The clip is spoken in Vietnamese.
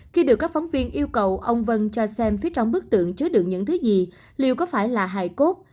khi được các phóng viên yêu cầu ông vân cho xem phía trong bức tượng chứa được những thứ gì liệu có phải là hài cốt